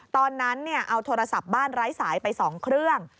ตอนนั้นเอาโทรศัพท์บ้านไร้สายไป๒เครื่อง